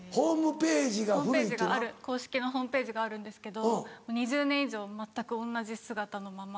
公式のホームページがあるんですけど２０年以上全く同じ姿のまま。